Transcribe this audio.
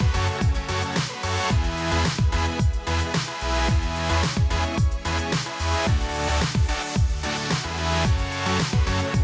โปรดติดตามตอนต่อไป